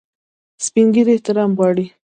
سپین ږیری احترام غواړي